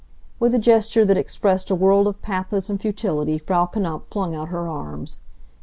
With a gesture that expressed a world of pathos and futility Frau Knapf flung out her arms.